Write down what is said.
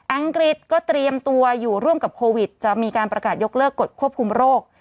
อังกฤษก็เตรียมตัวอยู่ร่วมกับโควิดจะมีการประกาศยกเลิกกฎควบคุมโรค